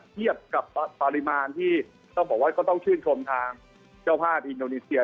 เทียบกับปริมาณที่ต้องยกต้นท่องทางเจ้าพาดอินโอนิเซีย